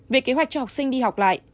về kế hoạch cho học sinh đi học lại